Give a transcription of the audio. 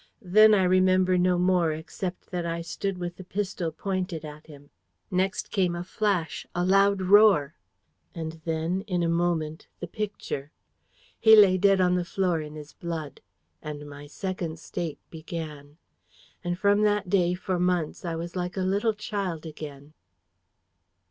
Then I remember no more, except that I stood with the pistol pointed at him. Next, came a flash, a loud roar. And then, in a moment, the Picture. He lay dead on the floor in his blood. And my Second State began. And from that day, for months, I was like a little child again."